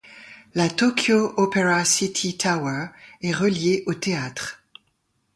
La Tokyo Opera City Tower est reliée au théâtre.